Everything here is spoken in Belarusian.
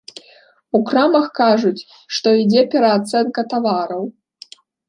У крамах кажуць, што ідзе пераацэнка тавараў.